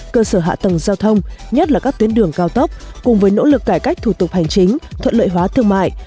cơ sở hạ tầng giao thông nhất là các tuyến đường cao tốc cùng với nỗ lực cải cách thủ tục hành chính thuận lợi hóa thương mại